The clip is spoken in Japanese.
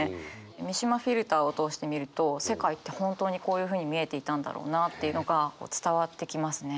三島フィルターを通して見ると世界って本当にこういうふうに見えていたんだろうなっていうのが伝わってきますね。